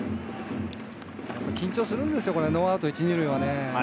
緊張するんですよ、ノーアウト１・２塁は。